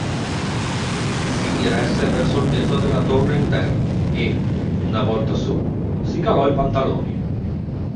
Si diresse verso il tetto della torre interno e, una volta su, si calò i pantaloni.